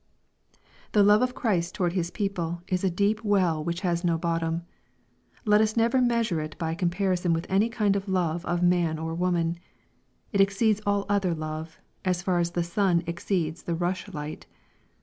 The love of Christ toward His people, is a deep well which has no bottom. Let us never measure it by com parison with any kind of love of man or woman. It ex ceeds all other love, as far as the sun exceeds the rush light.